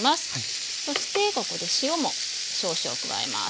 そしてここで塩も少々加えます。